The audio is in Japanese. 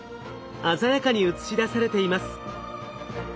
鮮やかに映し出されています。